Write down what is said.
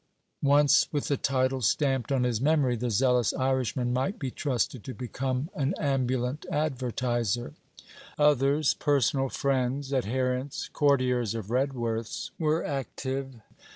Once with the title stamped on his memory, the zealous Irishman might be trusted to become an ambulant advertizer. Others, personal friends, adherents, courtiers of Redworth's, were active.